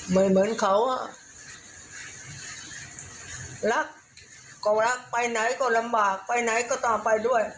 เหมือนเขาอ่ะรักก็รักไปไหนก็ลำบากไปไหนก็ตามไปด้วย